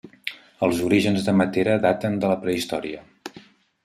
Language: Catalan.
Els orígens de Matera daten de la prehistòria.